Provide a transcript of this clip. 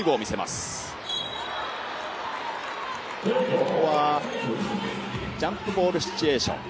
ここはジャンプボールシチュエーション。